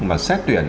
mà xét tuyển